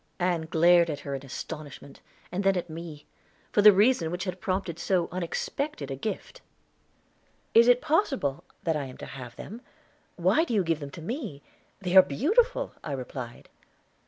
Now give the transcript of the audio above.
Ann glared at her in astonishment, and then at me, for the reason which had prompted so unexpected a gift. "Is it possible that I am to have them? Why do you give them to me? They are beautiful," I replied.